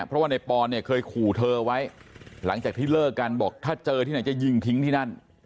เพราะว่าในปอนเนี่ยเคยขู่เธอไว้หลังจากที่เลิกกันบอกถ้าเจอที่ไหนจะยิงทิ้งที่นั่น